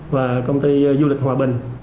và công ty du lịch hòa bình